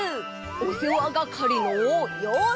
おせわがかりのようせい！